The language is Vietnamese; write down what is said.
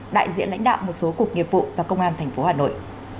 đại diện lãnh đạo một số cục nghiệp vụ và công an tp hà nội